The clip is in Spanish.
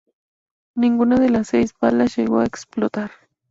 Ninguna de las seis balas llegó a explotar.